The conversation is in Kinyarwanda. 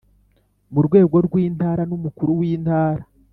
murwego rw’intara n’umukuru w’intara